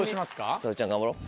ひさおちゃん頑張ろう。